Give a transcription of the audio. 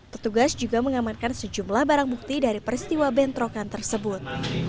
petugas juga mengamankan sejumlah barang bukti dari peristiwa bentrokan tersebut